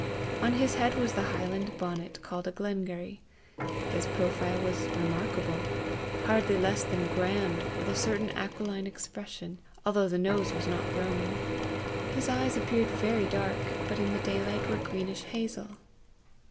On his head was the highland bonnet called a glengarry. His profile was remarkable hardly less than grand, with a certain aquiline expression, although the nose was not roman. His eyes appeared very dark, but in the daylight were greenish hazel.